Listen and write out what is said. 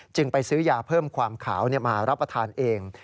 ไปซื้อยาเพิ่มความขาวมารับประทานเอง